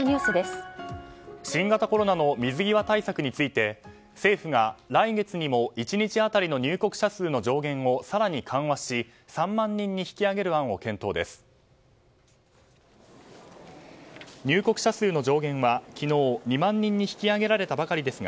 新型コロナの水際対策について政府が来月にも１日当たりの入国者数の上限を更に緩和し３万人に引き上げる案を検討です。